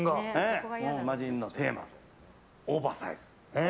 魔人のテーマ、オーバーサイズ。